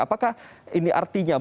apakah ini artinya